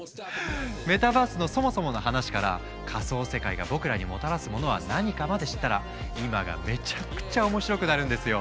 メタバースのそもそもの話から仮想世界が僕らにもたらすものは何かまで知ったら今がめちゃくちゃ面白くなるんですよ！